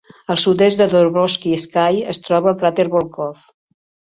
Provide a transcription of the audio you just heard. Al sud-est de Dobrovol'sky es troba el cràter Volkov.